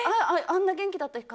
あんな元気だった人